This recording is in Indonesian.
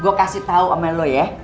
gua kasih tau ama lu ya